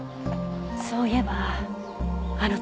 そういえばあの時。